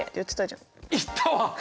言ったわ！